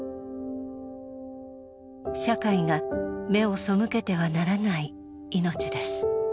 社会が目を背けてはならない命です。